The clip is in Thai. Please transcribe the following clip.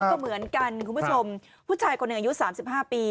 ก็เหมือนกันคุณผู้ชมผู้ชายคนหนึ่งอายุ๓๕ปี